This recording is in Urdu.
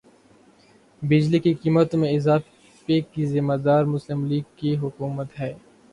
بجلی کی قیمتوں میں اضافے کی ذمہ دار مسلم لیگ کی حکومت ہے